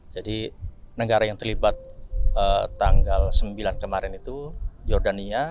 negara yang terlibat tanggal sembilan kemarin itu jordania